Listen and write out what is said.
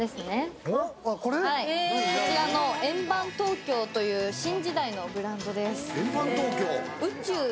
こちら、ＥＮＢＡＮＴＯＫＹＯという新時代のブランドです。